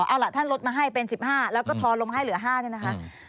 เอาล่ะท่านลดมาให้เป็น๑๕แล้วก็ทอลงให้เหลือ๕เนี่ยนะคะ